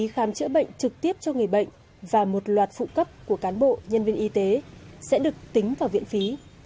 khám chữa bệnh trực tiếp cho người bệnh và một loạt phụ cấp của cán bộ nhân viên y tế sẽ được tính vào viện phí